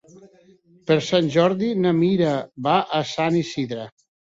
Per Sant Jordi na Mira va a Sant Isidre.